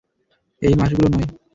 এই মাসগুলো নয়।